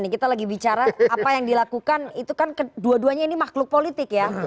kita lagi bicara apa yang dilakukan itu kan kedua duanya ini makhluk politik ya